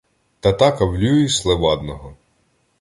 Татакав "Люїс" Левадного.